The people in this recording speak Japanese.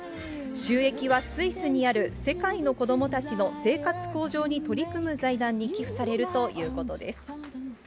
収益はスイスにある世界の子どもたちの生活向上に取り組む財団に寄付されるということです。